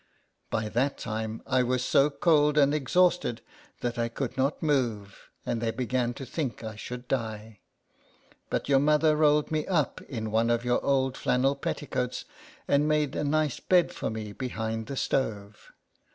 By that time I was so cold and ex hausted, that I could not move, and they began to think I should die. But your mother rolled me up in one of your old flannel petticoats, and made a nice bed for me behind the stove.